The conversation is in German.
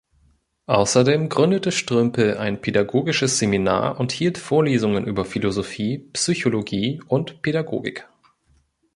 Außerdem gründete Strümpell ein pädagogisches Seminar und hielt Vorlesungen über Philosophie, Psychologie und Pädagogik.